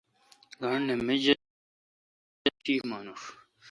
گانٹھ نہ۔ منجلسیان تہ شی مانوش۔